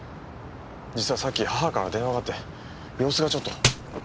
実はさっき母から電話があって様子がちょっと。